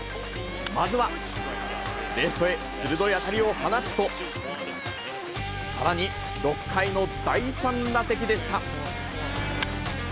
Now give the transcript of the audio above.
まずは、レフトへ鋭い当たりを放つと、さらに６回の第３打席でした。